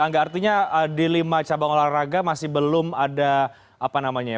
angga artinya di lima cabang olahraga masih belum ada apa namanya ya